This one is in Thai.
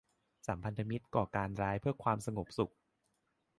สัมพันธมิตรก่อการร้ายเพื่อความสงบสุข